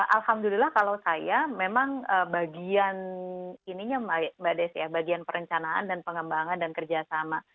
alhamdulillah kalau saya memang bagian ininya mbak desy ya bagian perencanaan dan pengembangan dan kerjasama